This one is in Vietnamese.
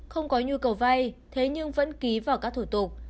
không có nhu cầu vay thế nhưng vẫn ký vào các thủ tục